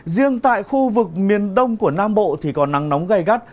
riêng tại khu vực miền đông của nam bộ thì có nắng nóng gây gắt